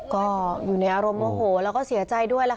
ก็อยู่ในอารมณ์โมโหแล้วก็เสียใจด้วยล่ะค่ะ